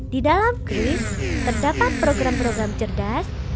di dalam kris terdapat program program cerdas